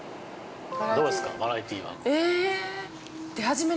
どうですか、バラエティ番組。